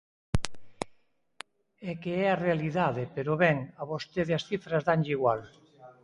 E que é a realidade, pero, ben, a vostede as cifras danlle igual.